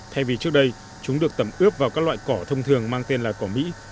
thay vì trước đây chúng được tẩm ướp vào các loại cỏ thông thường mang tên là cỏ mỹ